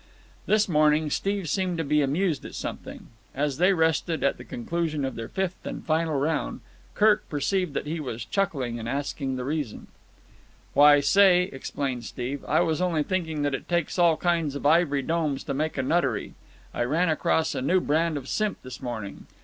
This morning Steve seemed to be amused at something. As they rested, at the conclusion of their fifth and final round, Kirk perceived that he was chuckling, and asked the reason. "Why, say," explained Steve, "I was only thinking that it takes all kinds of ivory domes to make a nuttery. I ran across a new brand of simp this morning.